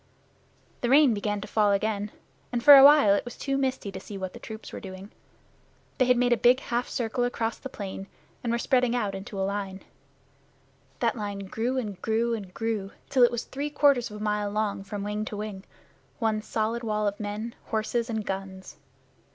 The rain began to fall again, and for a while it was too misty to see what the troops were doing. They had made a big half circle across the plain, and were spreading out into a line. That line grew and grew and grew till it was three quarters of a mile long from wing to wing one solid wall of men, horses, and guns.